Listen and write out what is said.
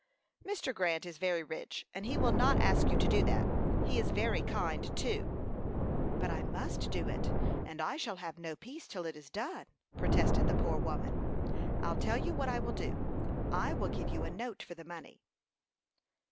"Mr. Grant is very rich, and he will not ask you to do that. He is very kind, too." "But I must do it, and I shall have no peace till it is done," protested the poor woman. "I'll tell you what I will do. I will give you a note for the money."